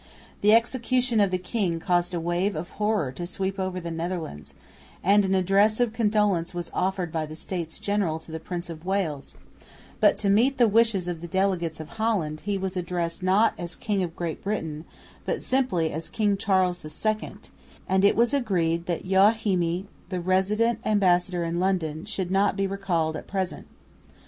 The execution of the king caused a wave of horror to sweep over the Netherlands, and an address of condolence was offered by the States General to the Prince of Wales; but, to meet the wishes of the delegates of Holland, he was addressed not as King of Great Britain, but simply as King Charles II, and it was agreed that Joachimi, the resident ambassador in London, should not be recalled at present.